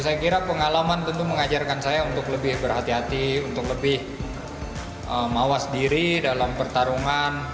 saya kira pengalaman tentu mengajarkan saya untuk lebih berhati hati untuk lebih mawas diri dalam pertarungan